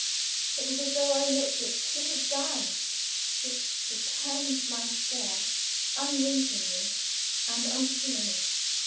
It was as though I looked at two diamonds, which returned my stare unwinkingly and unseeingly.